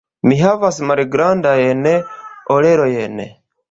Mi havas malgrandajn orelojn.